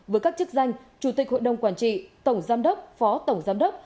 với các chức danh chủ tịch hội đồng quản trị tổng giám đốc phó tổng giám đốc